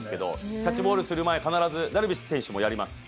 キャッチボールする前、必ずダルビッシュ選手もやります。